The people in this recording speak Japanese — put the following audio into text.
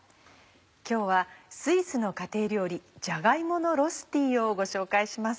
今日はスイスの家庭料理じゃが芋のロスティーをご紹介します。